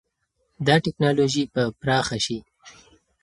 دا ټکنالوژي به پراخه شي.